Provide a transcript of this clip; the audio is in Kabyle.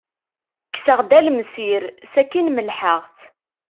Kkseɣ-d alemsir, sakin melḥeɣ-t.